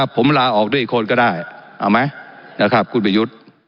ผมลาออกด้วยอีกคนก็ได้เอาไหมคุณบายุ